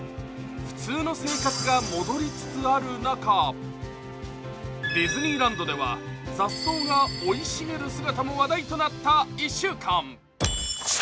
普通の生活が戻りつつある中、ディズニーランドでは雑草が生い茂るのも話題となった１週間。